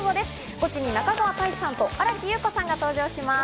ゴチに中川大志さんと新木優子さんが登場します。